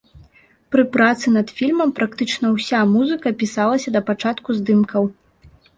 Пры працы над фільмам практычна ўся музыка пісалася да пачатку здымкаў.